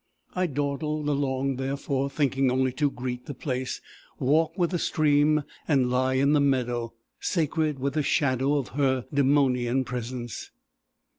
I dawdled along therefore, thinking only to greet the place, walk with the stream, and lie in the meadow, sacred with the shadow of her demonian presence.